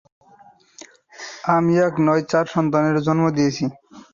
আমি এক নয়, চার সন্তানের জন্ম দিয়েছি।